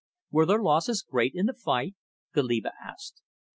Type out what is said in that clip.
"Were their losses great in the fight?" Goliba asked.